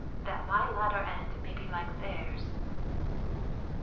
that my latter end may be like theirs!